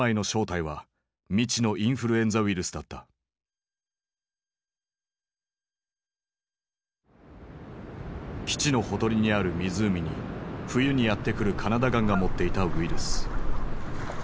この病の正体は基地のほとりにある湖に冬にやって来るカナダ雁が持っていたウイルス。